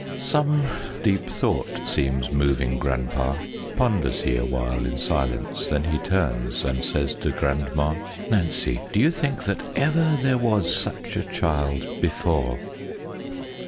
Some deep thought seems moving Grandpa, Ponders he awhile in silence, Then he turns, and says to Grandma, "Nancy, do you think that ever There was such a child before?"